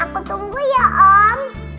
aku tunggu ya om